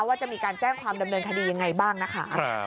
ว่าจะมีการแจ้งความดำเนินคดียังไงบ้างนะคะ